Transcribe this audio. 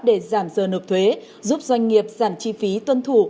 để giảm giờ nộp thuế giúp doanh nghiệp giảm chi phí tuân thủ